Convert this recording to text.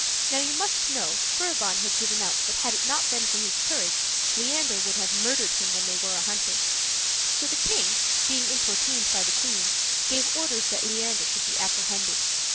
Now you must know Furibon had given out that had it not been for his courage Leander would have murdered him when they were a hunting; so the king, being importuned by the queen, gave orders that Leander should be apprehended.